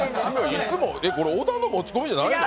えっ、これ小田の持ち込みじゃないの？